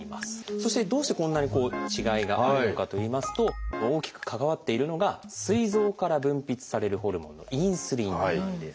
そしてどうしてこんなに違いがあるのかといいますと大きく関わっているのがすい臓から分泌されるホルモンの「インスリン」なんですね。